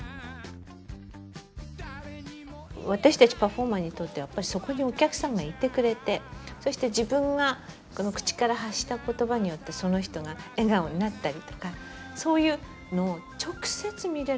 私たちパフォーマーにとってはやっぱりそこにお客さんがいてくれてそして自分が口から発した言葉によってその人が笑顔になったりとかそういうのを直接見れるんですね。